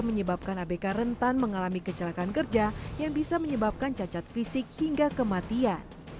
menyebabkan abk rentan mengalami kecelakaan kerja yang bisa menyebabkan cacat fisik hingga kematian